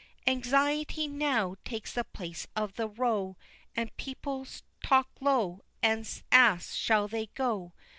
Anxiety now Takes the place of the row, And people talk low And ask "Shall they go?"